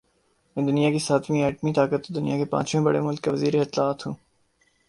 میں دنیا کی ساتویں ایٹمی طاقت اور دنیا کے پانچویں بڑے مُلک کا وزیراطلاعات ہوں